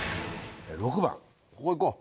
６番ここ行こう。